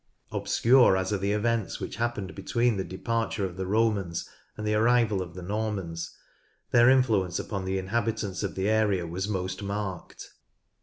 Obscure as are the events which happened between the departure of the Romans and the arrival of the Normans, their influence upon the inhabitants of the area was most marked.